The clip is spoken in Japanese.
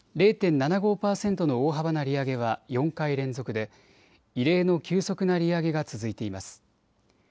０．７５％の大幅な利上げは４回連続で異例の急速な利上げが続いています。